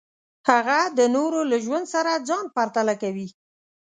هغه د نورو له ژوند سره ځان پرتله کوي.